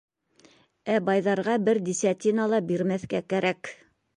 Ә байҙарға бер десятина ла бирмәҫкә кәрәк.